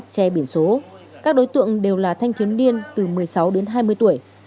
che biển số các đối tượng đều là thanh thiếu niên từ một mươi sáu đến hai mươi tuổi